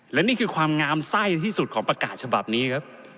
และนี่คือความงามไส้ที่สุดของประกาศฉบับนี้ครับ